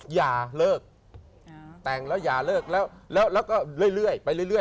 อย่าเลิกแต่งแล้วอย่าเลิกแล้วแล้วก็เรื่อยไปเรื่อย